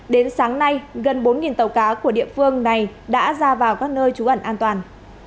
đến sáng nay gần bốn tàu cá của địa phương này đã ra vào các nơi trú ẩn an toàn